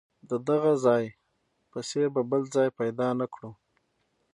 د دغه ځای په څېر به بل ځای پیدا نه کړو.